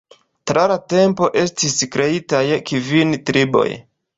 Tra la tempo estis kreitaj kvin triboj.